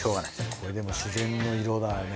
これでも自然の色だよね。